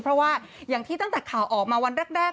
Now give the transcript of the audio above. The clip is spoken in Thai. เพราะว่าอย่างที่ตั้งแต่ข่าวออกมาวันแรก